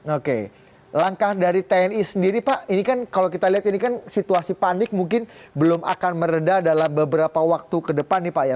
oke langkah dari tni sendiri pak ini kan kalau kita lihat ini kan situasi panik mungkin belum akan meredah dalam beberapa waktu ke depan nih pak ya